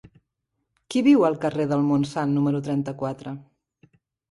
Qui viu al carrer del Montsant número trenta-quatre?